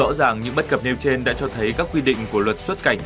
rõ ràng những bất cập nêu trên đã cho thấy các quy định của luật xuất cảnh